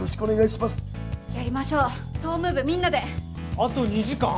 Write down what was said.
あと２時間！？